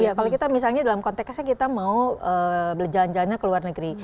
iya kalau kita misalnya dalam konteksnya kita mau jalan jalannya ke luar negeri